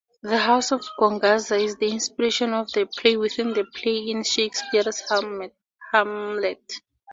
The House of Gonzaga is the inspiration for the play-within-the-play in Shakespeare's "Hamlet".